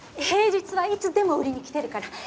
平日はいつでも売りに来てるから。